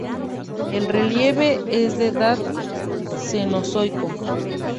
El relieve es de edad Cenozoico.